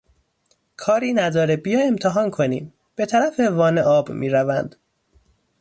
کاری نداره، بیا امتحان کنیم! به طرف وان آب میروند